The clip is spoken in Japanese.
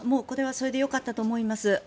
これはそれでよかったと思います。